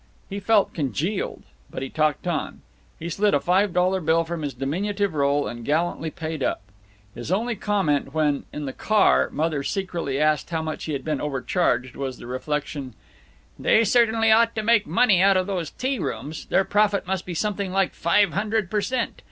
He felt congealed, but he talked on. He slid a five dollar bill from his diminutive roll and gallantly paid up. His only comment when, in the car, Mother secretly asked how much he had been overcharged, was the reflection, "They certainly ought to make money out of those tea rooms. Their profit must be something like five hundred per cent.